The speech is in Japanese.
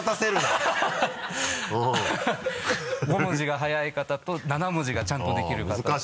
５文字が早い方と７文字がちゃんとできる方と。